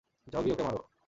যাও গিয়ে ওকে মারো।